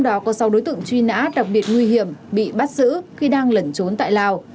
trong đó có sáu đối tượng truy nã đặc biệt nguy hiểm bị bắt giữ khi đang lẩn trốn tại lào